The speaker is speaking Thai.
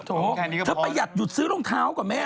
ที่แค่นี้ก็พอถ้าอยากหยุดซื้อรองเท้าก่อนไหม